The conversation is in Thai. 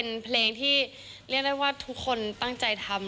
เป็นเพลงที่เรียกได้ว่าทุกคนตั้งใจทำ